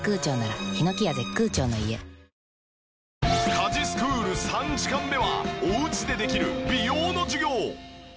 家事スクール３時間目はおうちでできる美容の授業。